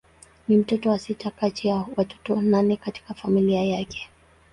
Ni mtoto wa sita kati ya watoto nane katika familia yake.